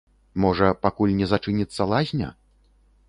Можа, пакуль не зачыніцца лазня?